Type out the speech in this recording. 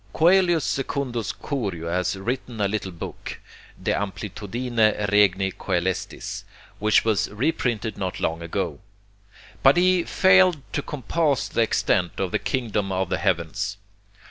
Coelius Secundus Curio has written a little book, 'De Amplitudine Regni Coelestis,' which was reprinted not long ago. But he failed to compass the extent of the kingdom of the heavens.